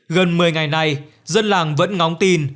gần một mươi ngày nay dân làng vẫn ngóng tin